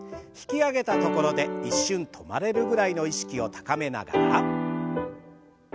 引き上げたところで一瞬止まれるぐらいの意識を高めながら。